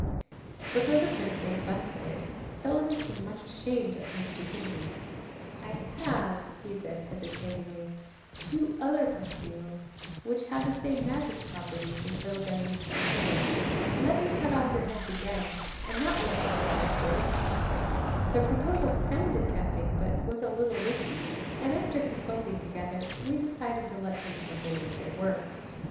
'But though the prince made the best of it, Thelamis was much ashamed of his stupidity. "I have," he said hesitatingly, "two other pastilles which have the same magic properties as those I used before. Let me cut off your heads again, and that will put matters straight." The proposal sounded tempting, but was a little risky, and after consulting together we decided to let things remain as they were.